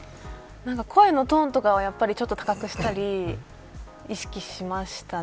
声のトーンとかをやっぱり高くしたり意識しましたね。